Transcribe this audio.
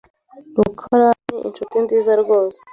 rukarani inshuti nziza rwose.